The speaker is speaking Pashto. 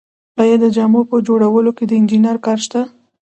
آیا د جامو په جوړولو کې د انجینر کار شته